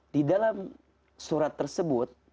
di dalam surat tersebut